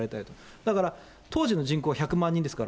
だから当時の人口１００万人ですから。